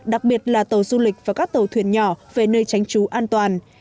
đặc biệt là tàu du lịch và các tàu thuyền nhỏ về nơi tránh trú an toàn